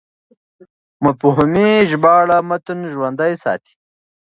مفهومي ژباړه متن ژوندی ساتي.